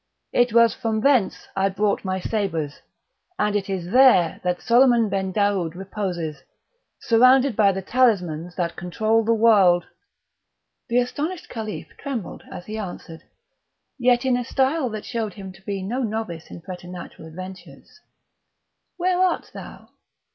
It was from thence I brought my sabres, and it is there that Soliman Ben Daoud reposes, surrounded by the talismans that control the world." The astonished Caliph trembled as he answered, yet in a style that showed him to be no novice in preternatural adventures: "Where art thou?